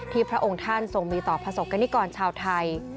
ที่พระองค์ท่านทรงมีต่อผสกกณิกรชาวไทย